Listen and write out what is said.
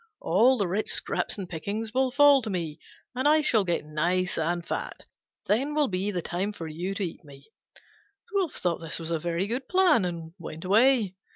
All the rich scraps and pickings will fall to me and I shall get nice and fat: then will be the time for you to eat me." The Wolf thought this was a very good plan and went away.